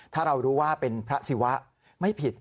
ถ้าเรารู้ว่าเป็นพระศิวะไม่ผิด